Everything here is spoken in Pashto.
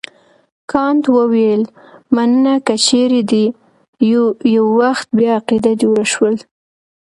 کانت وویل مننه که چیرې دې یو وخت بیا عقیده جوړه شول.